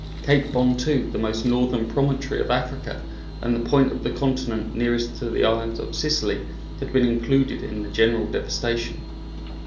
Cape Bon, too, the most northern promontory of Africa and the point of the continent nearest to the island of Sicily, had been included in the general devastation.